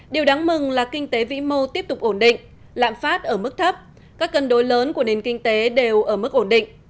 điều đáng mừng là kinh tế vĩ mô tiếp tục ổn định lạm phát ở mức thấp các cân đối lớn của nền kinh tế đều ở mức ổn định